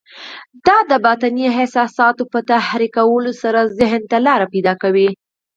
دا د باطني احساساتو په تحريکولو سره ذهن ته لاره پيدا کوي.